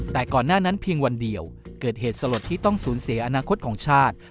แต่ก่อนหน้านั้นเพียงวันเดียวเกิดเหตุสลดที่ต้องสูญเสียอนาคตของชาติ